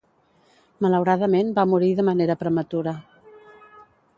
Malauradament va morir de manera prematura.